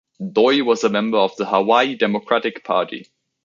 Doi was a member of the Hawaii Democratic Party.